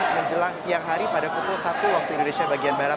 menjelang siang hari pada pukul satu waktu indonesia bagian barat